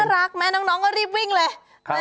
น่ารักไหมน้องก็รีบวิ่งเลย